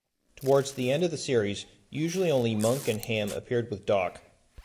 Toward the end of the series, usually only Monk and Ham appear with Doc.